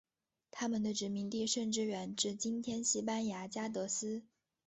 他们的殖民地甚至远至今天西班牙加的斯。